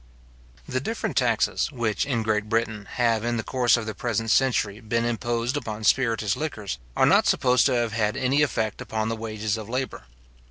The different taxes which, in Great Britain, have, in the course of the present century, been imposed upon spiritous liquors, are not supposed to have had any effect upon the wages of labour.